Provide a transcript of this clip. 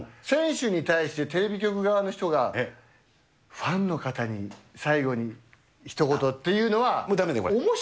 選手に対して、テレビ局側の人が、ファンの方に最後にひと言っていうのは。